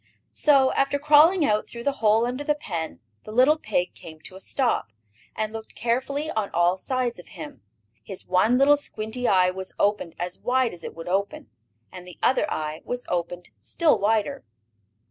So, after crawling out through the hole under the pen, the little pig came to a stop, and looked carefully on all sides of him. His one little squinty eye was opened as wide as it would open, and the other eye was opened still wider.